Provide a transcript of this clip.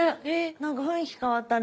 何か雰囲気変わったね。